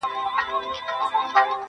بیا به اورو له مطربه جهاني ستا غزلونه -